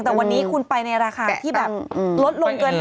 แต่วันนี้คุณไปในราคาที่แบบลดลงเกินไป